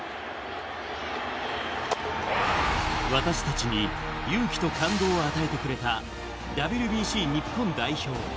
私たちに勇気と感動を与えてくれたＷＢＣ日本代表。